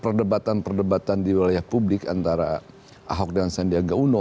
perdebatan perdebatan di wilayah publik antara ahok dan sandiaga uno